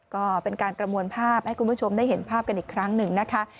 ก็เป็นการประมวลภาพให้คุณผู้ชมได้เห็นภาพกันอีกครั้งหนึ่งนะคะ